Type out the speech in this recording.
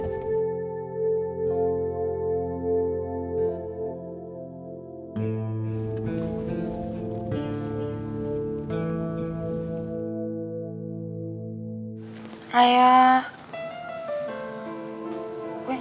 tidak ada yang ketemu ya